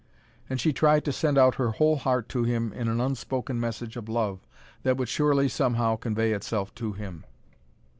And she tried to send out her whole heart to him in an unspoken message of love that would surely somehow convey itself to him.